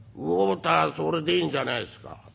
「ウォーターそれでいいんじゃないですか。